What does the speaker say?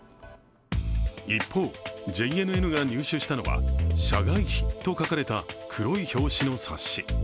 一方、ＪＮＮが入手したのは、社外秘と書かれた黒い表紙の冊子。